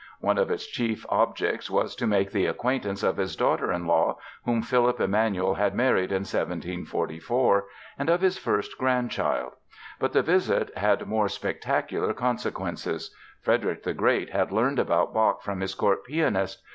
One of its chief objects was to make the acquaintance of his daughter in law, whom Philipp Emanuel had married in 1744, and of his first grandchild. But the visit had more spectacular consequences. Frederick the Great had learned about Bach from his court pianist.